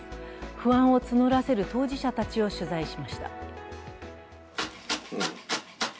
不安を募らせる当事者たちを取材しました。